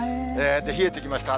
冷えてきました。